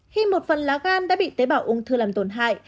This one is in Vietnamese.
khi một phần lá gan đã bị tế bảo ung thư làm tổn hại